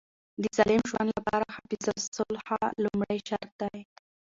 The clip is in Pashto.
د سالم ژوند لپاره حفظ الصحه لومړی شرط دی.